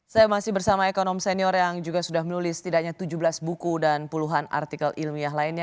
saya masih bersama ekonom senior yang juga sudah menulis setidaknya tujuh belas buku dan puluhan artikel ilmiah lainnya